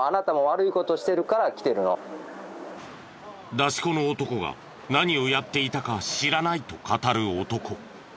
出し子の男が何をやっていたか知らないと語る男。